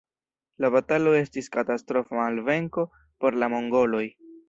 La batalo estis katastrofa malvenko por la mongoloj.